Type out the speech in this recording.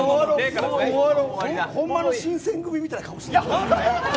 ホンマの新選組みたいな顔しとる。